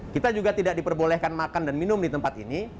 kita juga tidak diperbolehkan makan dan minum di tempat ini